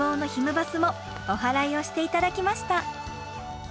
バスもおはらいをして頂きました。